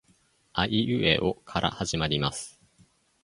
あいうえおから始まります